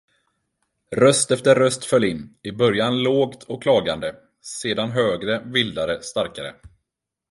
Röst efter röst föll in, i början lågt och klagande, sedan högre, vildare, starkare.